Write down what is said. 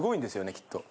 きっと。